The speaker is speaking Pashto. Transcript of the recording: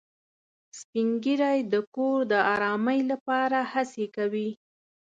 سپین ږیری د کور د ارامۍ لپاره هڅې کوي